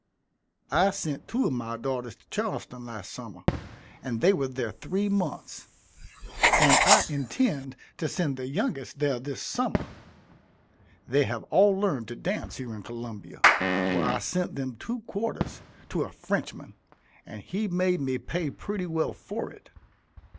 I sent two of my daughters to Charleston last summer, and they were there three months; and I intend to send the youngest there this summer. They have all learned to dance here in Columbia, where I sent them two quarters to a Frenchman, and he made me pay pretty well for it.